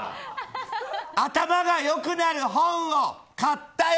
頭がよくなる本を買ったよ！